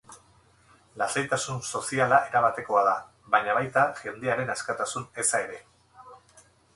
Lasaitasun soziala erabatekoa da, baina baita jendearen askatasun eza ere.